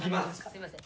すいません